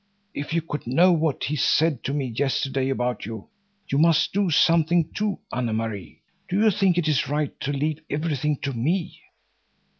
If you could know what he said to me yesterday about you! You must do something too, Anne Marie. Do you think it is right to leave everything to me?"